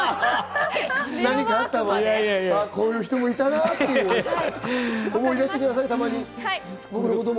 何かあった場合に、こういう人もいたなぁって思い出してくださいよ、たまに僕のことも。